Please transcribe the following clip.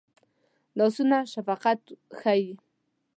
لاسونه شفقت ښيي